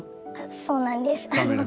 そうなんですあの。